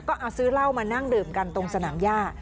ก็เอาซื้อเหล้ามานั่งดื่มกันตรงสนามย่า